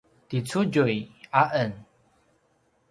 ti Cudjui a en